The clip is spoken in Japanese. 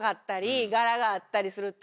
があったりすると。